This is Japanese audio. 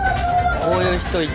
こういう人いた。